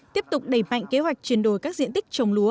tiếp tục đẩy mạnh kế hoạch chuyển đổi các diện tích trồng lúa